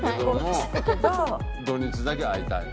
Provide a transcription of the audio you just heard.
土日だけ会いたい？